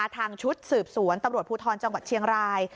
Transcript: ชุดสืบสวนตำรวจภูทรจังหวัดเชียงราย